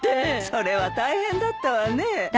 それは大変だったわね。